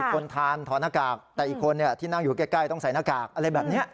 คนทานถอดหน้ากากแต่อีกคนที่นั่งอยู่ใกล้ต้องใส่หน้ากากอะไรแบบนี้